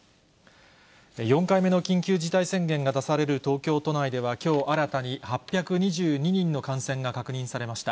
４回目の緊急事態宣言が出される東京都内では、きょう新たに８２２人の感染が確認されました。